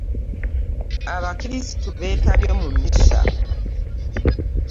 Abakrisitu beetabye mu mmisa.